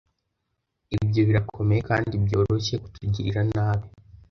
Ibyo birakomeye kandi byoroshye kutugirira nabi